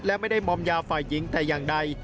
และไม่ได้มอมยาฝ่ายหญิงแต่อย่างใด